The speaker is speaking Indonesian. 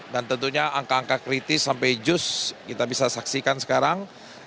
dan tentunya angka angka kritis sampai just kita bisa saksikan sekarang